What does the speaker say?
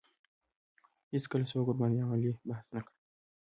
هېڅکله څوک ورباندې علمي بحث نه کړي